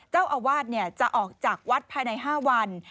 เจ้าอาวาสจะออกจากวัดภายใน๕วัน